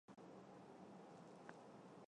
丁俊晖因亚运会赛程冲突退出超级联赛。